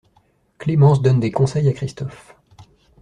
Clémence donne des conseils à Christophe.